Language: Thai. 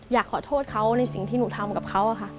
อยากขอโทษเขาในสิ่งที่หนูทำกับเขาค่ะ